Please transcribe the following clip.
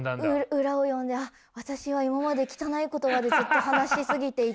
裏を読んであっ私は今まで汚い言葉でずっと話し過ぎていたなっていう。